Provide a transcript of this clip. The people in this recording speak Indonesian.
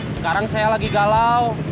sekarang saya lagi galau